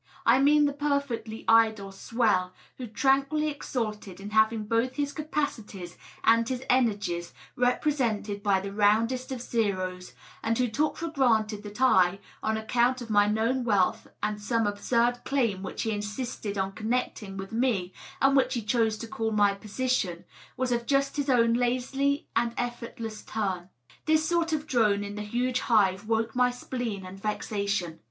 I mean the perfectly idle " swell,^' who tranquilly exulted in having both his capacities and his energies represented by the roundest of zeros, and who took for granted that I, on account of my known wealth and some absurd claim which he insisted on connecting with me and which he chose to call my " po sition," was of just his own lazy and effortless turn. This sort of drone in the huge hive woke my spleen and vexation.